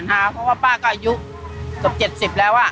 เพราะว่าป้าก็อายุเกือบ๗๐แล้ว